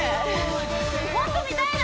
もっと見たいな！